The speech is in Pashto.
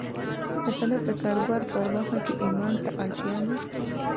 د صنعت د کاروبار په برخه کې ايمان ته اړتيا ده.